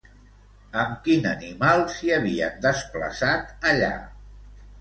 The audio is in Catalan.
Amb quin animal s'hi havien desplaçat, allà?